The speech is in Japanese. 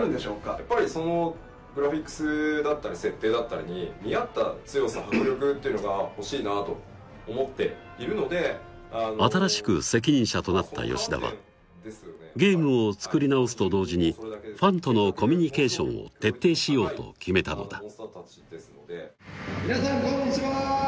やっぱりそのグラフィックスだったり設定だったりに見合った強さ迫力っていうのが欲しいなと思っているので新しく責任者となった吉田はゲームを作り直すと同時にファンとのコミュニケーションを徹底しようと決めたのだ皆さんこんにちは！